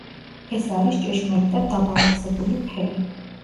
ეს არის ჭეშმარიტად დაბალანსებული ფერი.